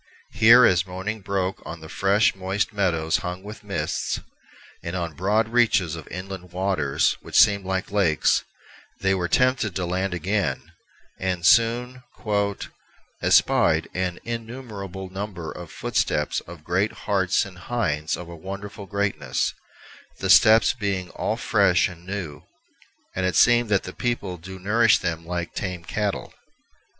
Here, as morning broke on the fresh, moist meadows hung with mists, and on broad reaches of inland waters which seemed like lakes, they were tempted to land again, and soon "espied an innumerable number of footesteps of great Hartes and Hindes of a wonderfull greatnesse, the steppes being all fresh and new, and it seemeth that the people doe nourish them like tame Cattell."